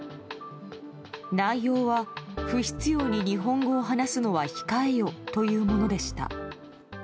内容は不必要に日本語を話すのは控えよというものでした。